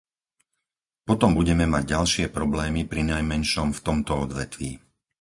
Potom budeme mať ďalšie problémy prinajmenšom v tomto odvetví.